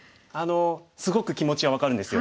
すごく気持ちは分かるんですよ。